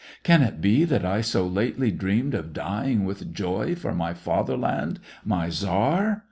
. can it be that I so lately dreamed of dy ing with joy for my father land, my tsar.?